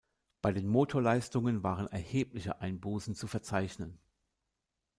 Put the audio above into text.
Bei den Motorleistungen waren erhebliche Einbußen zu verzeichnen.